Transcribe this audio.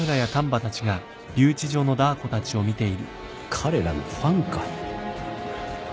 彼らのファンか？